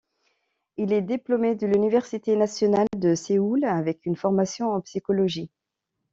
Il est diplômé de l'université nationale de Séoul avec une formation en psychologie.